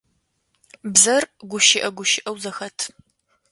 Бзэр гущыӏэ гущыӏэу зэхэт.